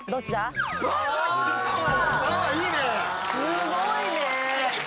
すごいね！